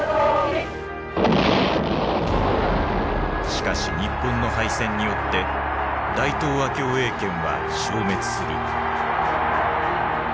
しかし日本の敗戦によって大東亜共栄圏は消滅する。